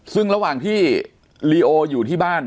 ซึ่งระหว่างที่ลีโออยู่ที่บ้าน